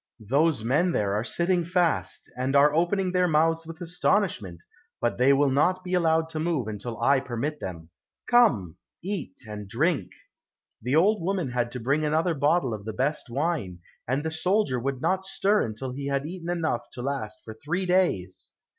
Those men there are sitting fast, and are opening their mouths with astonishment, but they will not be allowed to move until I permit them. Come, eat and drink." The old woman had to bring another bottle of the best wine, and the soldier would not stir until he had eaten enough to last for three days.